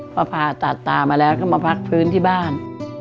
พอผ่าตัดตามาแล้วก็มาพักพื้นที่บ้าน